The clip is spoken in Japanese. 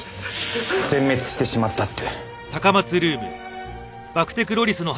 全滅してしまったって。